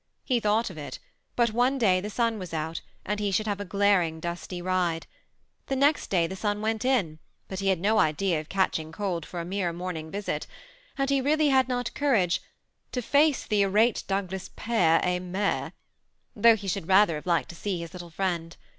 He thought of it: but one day the sun was out, and he should have a glaring dusty ride ; the next day the sun went in, but he had no idea of catching cold for a mere morning visit, and he really had not courage ^^ to face the irate Douglas pere et mere" though he should rather have liked to see his little friend.